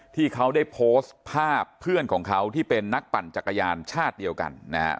ที่เขาได้โพสต์ภาพเพื่อนของเขาที่เป็นนักปั่นจักรยานชาติเดียวกันนะฮะ